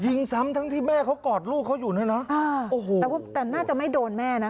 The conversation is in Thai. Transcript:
ยิงซ้ำทั้งที่แม่เขากอดลูกเขาอยู่เนี่ยนะอ้าวแต่น่าจะไม่โดนแม่นะ